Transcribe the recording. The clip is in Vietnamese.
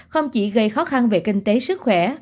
không chỉ gây khó khăn về kinh tế sức khỏe